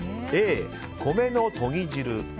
Ａ、米のとぎ汁。